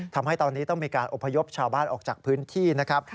ทำให้ตอนนี้ต้องมีการอบพยพชาวบ้านออกจากพื้นที่นะครับ